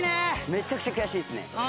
めちゃくちゃ悔しいっすね。